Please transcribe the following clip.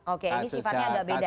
oke ini sifatnya agak beda